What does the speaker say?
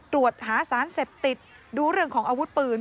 ตรวจหาสารเสพติดดูเรื่องของอาวุธปืน